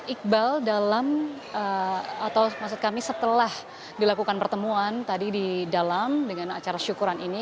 iqbal dalam atau maksud kami setelah dilakukan pertemuan tadi di dalam dengan acara syukuran ini